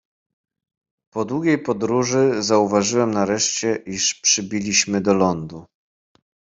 "Po długiej podróży zauważyłem nareszcie, iż przybiliśmy do lądu."